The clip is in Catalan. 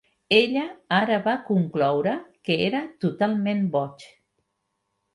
Ella ara va concloure que era totalment boig.